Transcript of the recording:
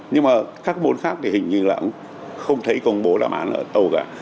nhưng mà các bốn khác thì hình như là không thấy công bố đáp án ở đâu cả